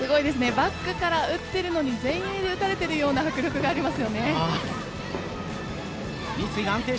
バックから打っているのに前衛で打たれてるような迫力がありますよね。